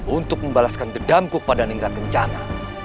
untuk membalaskan dedamku pada ningrat kencana